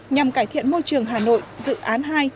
nhằm cải thiện môi trường hà nội dự án hai